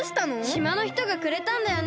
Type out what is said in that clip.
しまのひとがくれたんだよね。